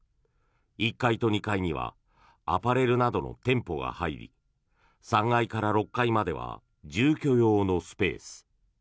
１階と２階にはアパレルなどの店舗が入り３階から６階までは住居用のスペース。